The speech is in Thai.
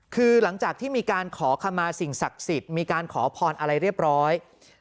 คือหลังจากที่มีการขอคำมาสิ่งศักดิ์สิทธิ์มีการขอพรอะไรเรียบร้อย